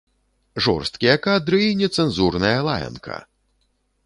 Жорсткія кадры і нецэнзурная лаянка!